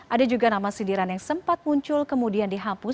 ada juga nama sindiran yang sempat muncul kemudian dihapus